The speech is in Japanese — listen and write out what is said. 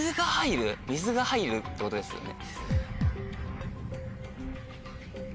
水が入るってことですよね。